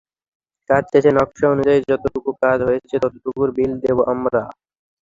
কাজ শেষে নকশা অনুযায়ী যতটুকু কাজ হয়েছে, ততটুকুর বিল দেব আমরা।